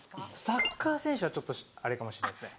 サッカー選手はちょっとあれかもしれないですね。